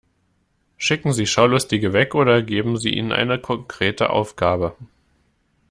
Schicken Sie Schaulustige weg oder geben Sie ihnen eine konkrete Aufgabe.